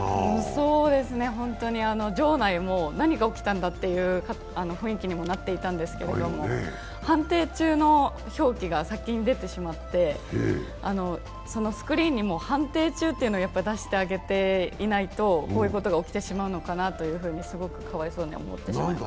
そうですね、本当に場内、何が起きたんだという雰囲気になっていたんですけれども判定中の表記が先に出てしまって、そのスクリーンにも判定中っていうのを出しておいてあげないとこういうことが起きてしまうのかなとすごくかわいそうに思ってしまいました。